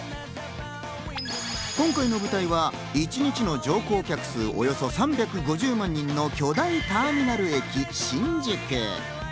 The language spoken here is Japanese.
今回の舞台は一日の乗降客数、およそ３５０万人の巨大ターミナル駅・新宿。